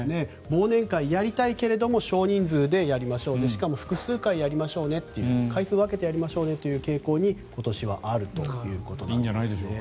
忘年会、やりたいけれども少人数でやりましょうしかも複数回やりましょうね回数を分けてやりましょうという傾向に今年はあるということなんですね。